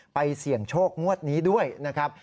เสี่ยงโชคงวดนี้ด้วยนะครับ